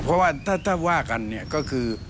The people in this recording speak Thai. เพราะว่าถ้าว่ากันก็คือ